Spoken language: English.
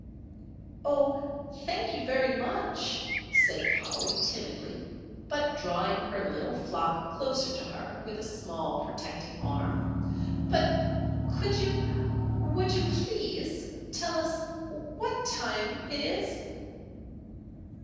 "O, thank you very much," said Polly, timidly, but drawing her little flock closer to her with a small protecting arm; "but could you would you please tell us what time it is?"